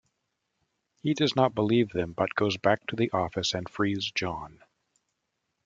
He does not believe them, but goes back to the office and frees John.